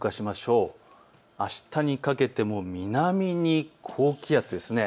あしたにかけても南に高気圧です。